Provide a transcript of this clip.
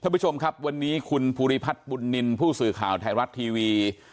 ท่านผู้ชมครับวันนี้คุณภูริพัฒน์บุญนินทร์ผู้สื่อข่าวไทยรัฐทีวี